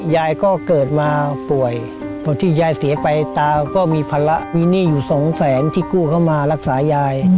ยายก็เกิดมาป่วยพอที่ยายเสียไปตาก็มีภาระมีหนี้อยู่สองแสนที่กู้เข้ามารักษายาย